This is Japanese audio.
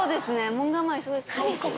門構えすごいです。